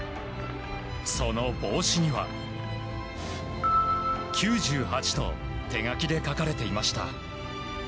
その帽子には９８と手書きで書かれていました。